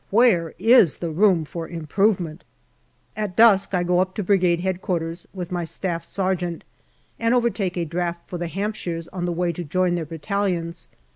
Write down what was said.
Where is the room for improvement ? At dusk I go up to Brigade H.Q. with my staff sergeant, and overtake a draft for the Hampshires on the way to join their battalions.